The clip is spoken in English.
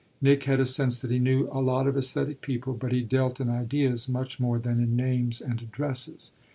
Nick had a sense that he knew "a lot of esthetic people," but he dealt in ideas much more than in names and addresses.